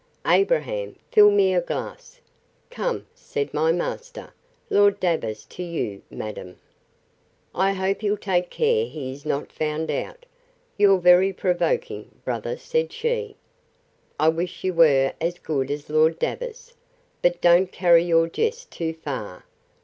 Abraham, fill me a glass. Come, said my master, Lord Davers to you, madam: I hope he'll take care he is not found out!—You're very provoking, brother, said she. I wish you were as good as Lord Davers.—But don't carry your jest too far.